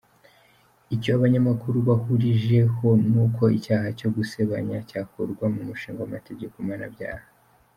Icyo abanyamakuru bahurijeho ni uko icyaha cyo gusebanya cyakurwa mu mushinga w’amategeko mpanabyaha.